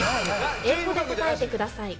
英語で答えてください。